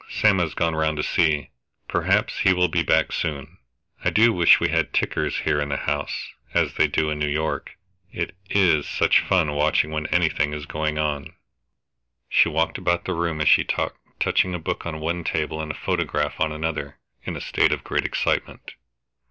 Sam has gone round to see perhaps he will be back soon. I do wish we had 'tickers' here in the house, as they do in New York; it is such fun watching when anything is going on." She walked about the room as she talked, touching a book on one table and a photograph on another, in a state of great excitement.